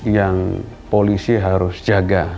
yang polisi harus jaga